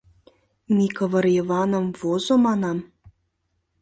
«Микывыр Йываным возо», — манам.